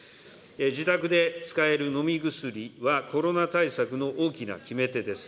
自宅で使える飲み薬は、コロナ対策の大きな決め手です。